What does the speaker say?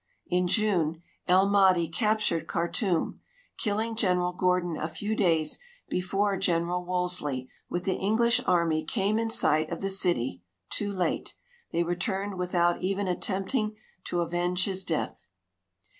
In June El Mahdi ca]>tured Khartum, killing General Gordon a few days ' ])efore General Wolseley with the English army came in sight of the city — too late. They returned without even attempting to avenge his death.